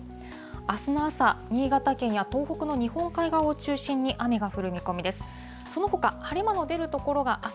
あすの朝、新潟県や東北の日本海側を中心に雨が降る見込みです。